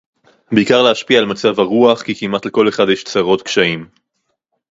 בעיקר להשפיע על מצב־הרוח, כי כמעט לכל אחד יש צרות, קשיים.